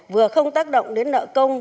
vừa không tác động đến nợ công